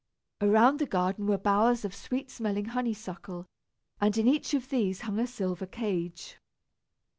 Around the garden were bowers of sweet smelling honeysuckle, and in each of these hung a silver cage.